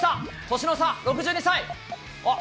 年の差６２歳。